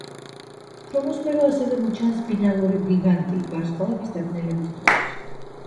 ქრომოსფერო ასევე მოჩანს ბინარული გიგანტი ვარსკვლავების დაბნელების დროს.